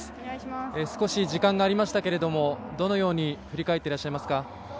少し時間がありましたけれどどのように振り返っていますか？